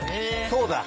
そうだ。